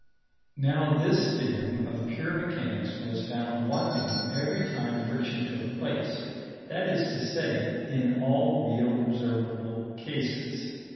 Now this theorem of pure mechanics was found wanting every time friction took place that is to say, in all really observable cases.